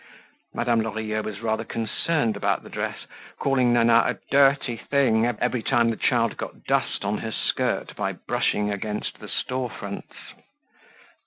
Madame Lorilleux was rather concerned about the dress, calling Nana a dirty thing every time the child got dust on her skirt by brushing against the store fronts.